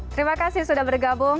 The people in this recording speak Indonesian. terima kasih sudah bergabung